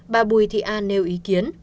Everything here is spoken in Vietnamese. bà bùi thị an nêu ý kiến